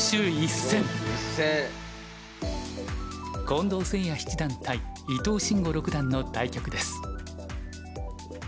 近藤誠也七段対伊藤真吾六段の対局です。